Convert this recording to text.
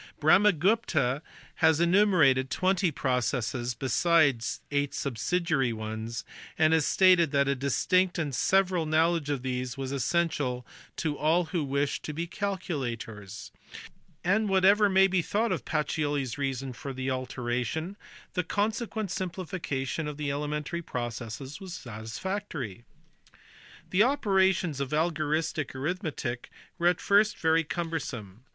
Brahmagupta had enumerated twenty processes besides eight subsidiary ones, and had stated that "a distinct and several knowledge of these" was "essential to all who wished to be calculators"; and whatever may be thought of Pacioli s reason for the alteration the consequent simplification of the elementary pro cesses was satisfactory. The operations of algoristic arithmetic were at first very cumbersome.